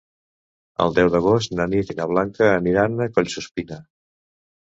El deu d'agost na Nit i na Blanca aniran a Collsuspina.